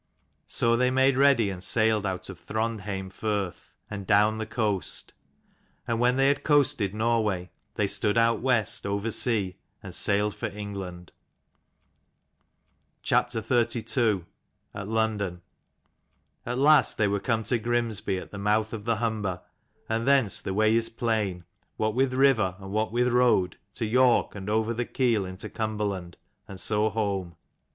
So they made ready and sailed out of Throndheim firth, and down the coast : and when they had coasted Norway they stood out West over sea and sailed for England. last they were come to iGrimsby at the mouth of the Humber, and thence the way is plain, what with river and [what with road, to York, and >ver the Keel into Cumberland, and so home.